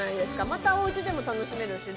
またおうちでも楽しめるし。